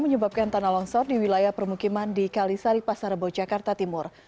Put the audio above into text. menyebabkan tanah longsor di wilayah permukiman di kalisari pasar rebo jakarta timur